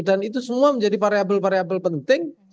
dan itu semua menjadi variabel variabel penting